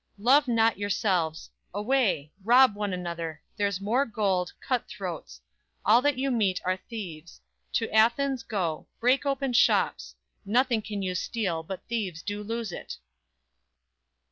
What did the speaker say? Love not yourselves; away Rob one another! There's more gold; cut throats; All that you meet are thieves! To Athens, go, Break open shops! Nothing can you steal But thieves do lose it!"